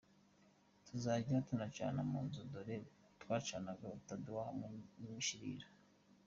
Tuzajya tunacana mu nzu dore twacanaga udutadowa hamwe n’ibishirira.